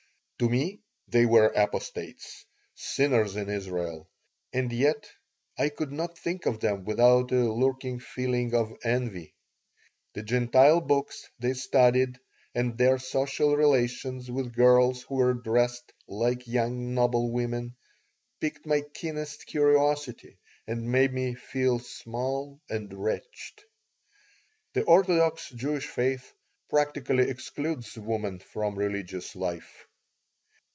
To me they were apostates, sinners in Israel. And yet I could not think of them without a lurking feeling of envy. The Gentile books they studied and their social relations with girls who were dressed "like young noblewomen" piqued my keenest curiosity and made me feel small and wretched The orthodox Jewish faith practically excludes woman from religious life.